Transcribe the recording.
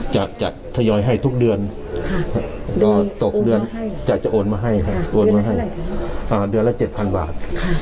จะทยอยให้ทุกเดือนตกเดือนจะโอนมาให้โอนมาให้เดือนละ๗๐๐บาท